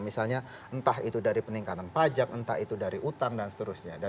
misalnya entah itu dari peningkatan pajak entah itu dari utang dan seterusnya